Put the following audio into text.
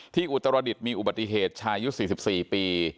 อุตรดิษฐ์มีอุบัติเหตุชายุ๔๔ปี